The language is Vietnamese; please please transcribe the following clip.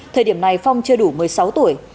thời điểm này phong chưa đủ một mươi sáu tuổi